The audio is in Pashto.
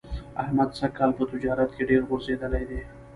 احمد سږ کال په تجارت کې ډېر غورځېدلی دی.